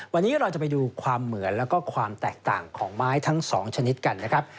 วันนี้เราจะไปดูความเหมือนแล้วก็ความแตกต่างของไม้ทั้งสองชนิดกันนะครับ